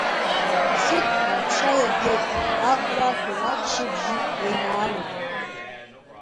Сыҭәҳәа аԥша иагеит, ахәрашәеи аччабжьи еинаалом…